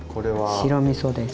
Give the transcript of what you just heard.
白みそです。